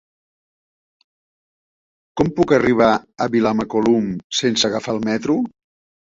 Com puc arribar a Vilamacolum sense agafar el metro?